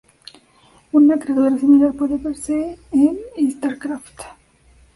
Una criatura similar puede verse en Starcraft.